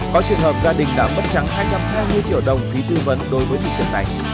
có trường hợp gia đình đã mất trắng hai trăm hai mươi triệu đồng phí tư vấn đối với thị trấn này